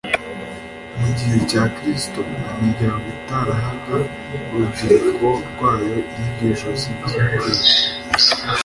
Mu gihe cya Kristo, imiryango itarahaga urubyiruko rwayo inyigisho z'iby'idini